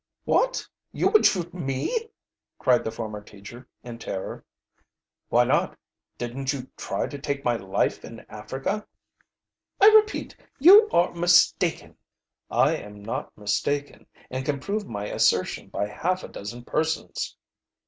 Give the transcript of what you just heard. "What, you would shoot me!" cried the former teacher, in terror. "Why not? Didn't you try to take my life in Africa?" "I repeat, you are mistaken." "I am not mistaken, and can prove my assertion by half a dozen persons."